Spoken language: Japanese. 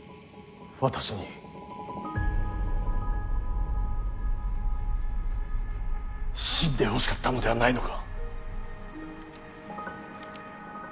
私に死んでほしかったのではないのか！